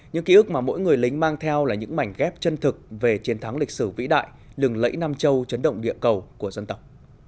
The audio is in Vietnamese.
những ký ức mà mỗi người lính mang theo là những mảnh ghép chân thực về chiến thắng lịch sử vĩ đại lừng lẫy nam châu chấn động địa cầu của dân tộc